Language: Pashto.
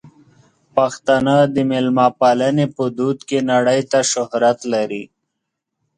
پښتانه د مېلمه پالنې په دود کې نړۍ ته شهرت لري.